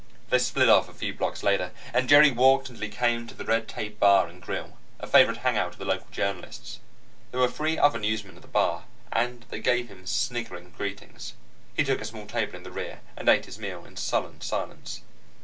They split off a few blocks later, and Jerry walked until he came to the Red Tape Bar & Grill, a favorite hangout of the local journalists. There were three other newsmen at the bar, and they gave him snickering greetings. He took a small table in the rear and ate his meal in sullen silence.